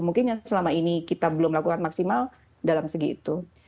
mungkin yang selama ini kita belum lakukan maksimal dalam segi itu